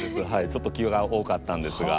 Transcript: ちょっと気が多かったんですが。